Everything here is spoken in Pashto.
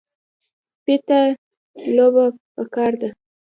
سپي ته لوبه پکار ده.